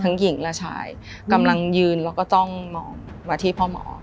หญิงและชายกำลังยืนแล้วก็จ้องมองมาที่พ่อหมอ